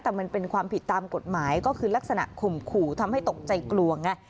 แต่มันเป็นความผิดตามกฎหมายก็คือลักษณะข่มขู่ทำให้ตกใจกลัวไง